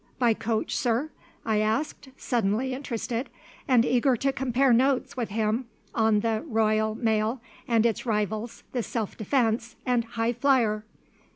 "By coach, sir?" I asked, suddenly interested, and eager to compare notes with him on the Royal Mail and its rivals, the Self Defence and Highflyer.